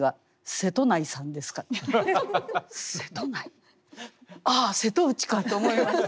瀬戸内ああ瀬戸内かと思いました。